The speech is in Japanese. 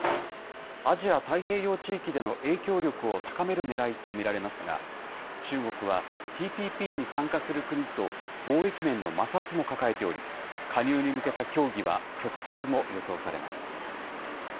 アジア太平洋地域での影響力を高めるねらいと見られますが、中国はＴＰＰに参加する国と貿易面の摩擦も抱えており、加入に向けた協議は、曲折も予想されます。